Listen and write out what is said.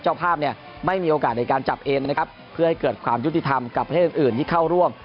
เจ้าภาพเนี่ยไม่มีโอกาสในการจับเองนะครับเพื่อให้เกิดความยุติธรรมกับประเทศอื่นที่เข้าร่วม